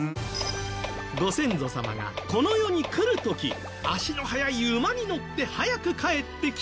ご先祖様がこの世に来る時足の速い馬に乗って早く帰ってきてほしい。